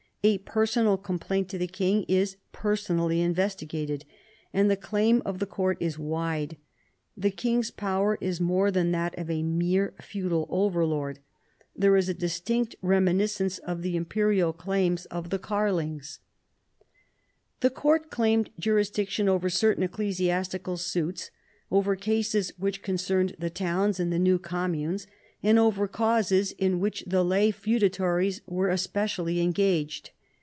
A personal complaint to the king is personally investigated. And the claim of the court is wide. The king's power is more than that of a mere feudal overlord. There is a distinct reminiscence of the imperial claims of the Karlings. 134 PHILIP AUGUSTUS chap. The court claimed jurisdiction over certain ecclesias tical suits, over cases which concerned the towns and the new communes, and over causes in which the lay feudatories were especially engaged.